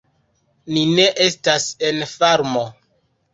Ni ne estas en farmo."